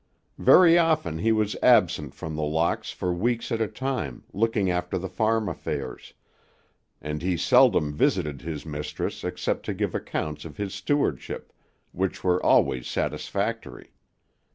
Very often he was absent from The Locks for weeks at a time, looking after the farm affairs, and he seldom visited his mistress except to give accounts of his stewardship, which were always satisfactory.